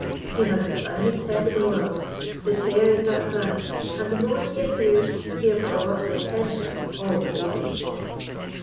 He has the finest head in the world; his hair is dark brown; and the moment he appears, he absorbs the attention of all beholders."